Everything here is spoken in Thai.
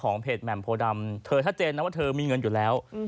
เพจแหม่มโพดำเธอชัดเจนนะว่าเธอมีเงินอยู่แล้ว